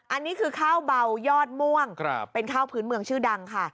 อันนี้คือข้าวเบายอดม่วงเป็นข้าวพื้นเมืองชื่อดังค่ะ